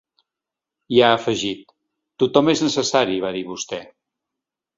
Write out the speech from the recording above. I ha afegit: Tothom és necessari, va dir vostè.